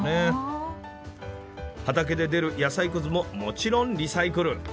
畑で出る野菜くずももちろんリサイクル！